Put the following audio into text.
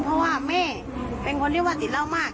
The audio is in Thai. เพราะว่าแม่เป็นคนเรียกว่าติดเหล้ามาก